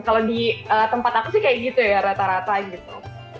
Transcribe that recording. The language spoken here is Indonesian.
kalau di tempat aku sih kayak gitu ya rata rata gitu